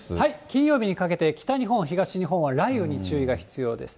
金曜日にかけて北日本、東日本は雷雨に注意が必要です。